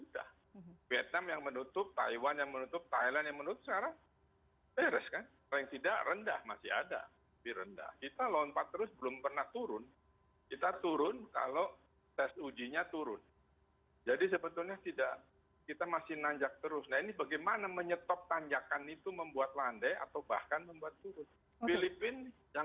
tapi mungkin mekanisme yang tidak bisa seperti membalikan telapak tangan dalam membuat sebuah perda